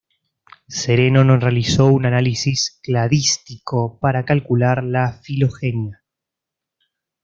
Sereno no realizó un análisis cladístico para calcular la filogenia.